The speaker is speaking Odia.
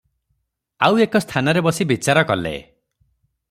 ଆଉ ଏକ ସ୍ଥାନରେ ବସି ବିଚାର କଲେ ।